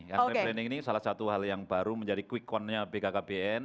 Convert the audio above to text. yang replanning ini salah satu hal yang baru menjadi quick countnya bkkbn